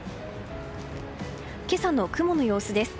今朝の雲の様子です。